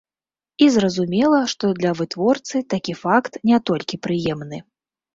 І зразумела, што для вытворцы такі факт не толькі прыемны.